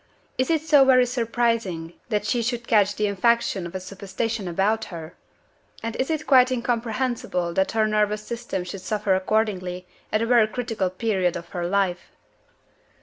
Is it so very surprising that she should catch the infection of the superstition about her? And is it quite incomprehensible that her nervous system should suffer accordingly, at a very critical period of her life?"